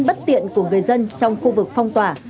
bất tiện của người dân trong khu vực phong tỏa